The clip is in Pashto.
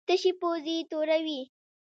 تشې پوزې توروي.